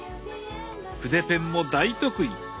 筆ペンも大得意！